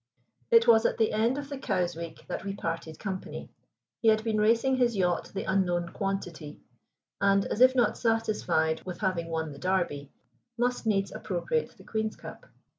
It was at the end of the Cowes week that we parted company. He had been racing his yacht the Unknown Quantity, and, as if not satisfied with having won the Derby, must needs appropriate the Queen's Cup.